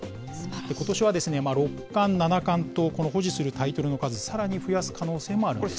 ことしは六冠、七冠とこの保持するタイトルの数、さらに増やす可能性もあるんです。